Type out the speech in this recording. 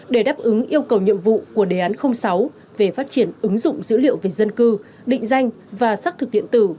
để đáp ứng yêu cầu nhiệm vụ của đề án sáu về phát triển ứng dụng dữ liệu về dân cư định danh và xác thực điện tử